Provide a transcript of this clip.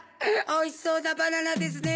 おいしそうなバナナですね。